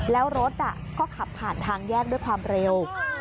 แล้วรถก็ขับผ่านทางแยกด้วยความเร็ว